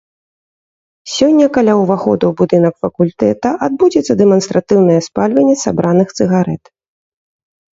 Сёння каля ўвахода ў будынак факультэта адбудзецца дэманстратыўнае спальванне сабраных цыгарэт.